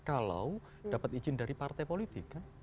kalau dapat izin dari partai politik